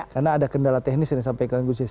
karena ada kendala teknis yang disampaikan gus jazil